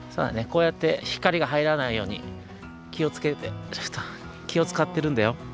こうやって光がはいらないようにきをつけてきをつかってるんだよ。